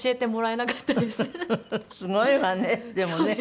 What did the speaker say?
すごいわねでもね。